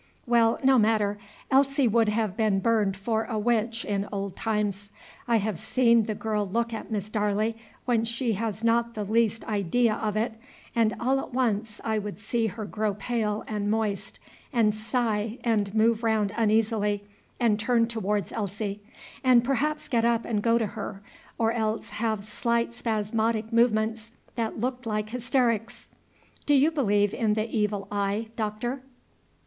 "Well, no matter. Elsie would have been burned for a witch in old times. I have seen the girl look at Miss Darley when she had not the least idea of it, and all at once I would see her grow pale and moist, and sigh, and move round uneasily, and turn towards Elsie, and perhaps get up and go to her, or else have slight spasmodic movements that looked like hysterics; do you believe in the evil eye, Doctor?"